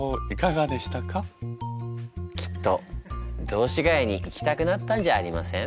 きっと雑司が谷に行きたくなったんじゃありません？